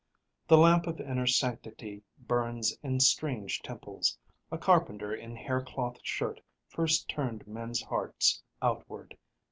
The lamp of inner sanctity burns in strange temples. A carpenter in haircloth shirt first turned men's hearts outward.